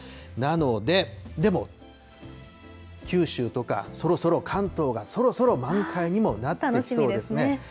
なので、でも九州とか、そろそろ関東が、そろそろ満開にもなって楽しみですね。